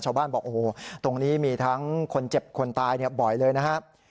ชาวบ้านบอกโอ้โหตรงนี้มีทั้งคนเจ็บคนตายเนี่ยบ่อยเลยนะครับ